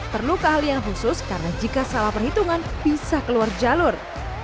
terluka hal yang khusus karena jika salah perhitungan bisa keluar jalur